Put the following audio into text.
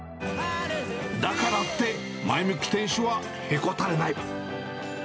だからって前向き店主はへこたれない。